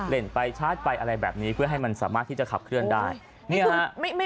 เล่นไปชาร์จไปอะไรแบบนี้เพื่อให้มันสามารถที่จะขับเคลื่อนได้เนี่ยฮะ